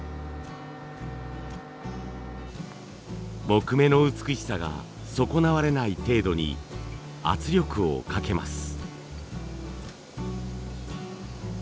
木目の美しさが損なわれない程度に圧力をかけます。